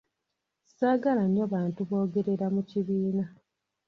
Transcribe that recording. Saagala nnyo bantu boogerera mu kibiina.